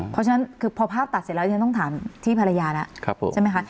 เพราะฉะนั้นคือพอภาพตัดเสร็จแล้วที่ฉันต้องถามที่ภรรยาแล้วใช่ไหมคะ